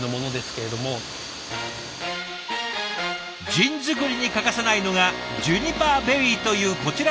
ジン作りに欠かせないのがジュニパーベリーというこちらの実。